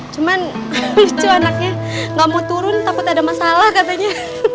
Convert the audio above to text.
cuman itu anaknya gak mau turun takut ada masalah katanya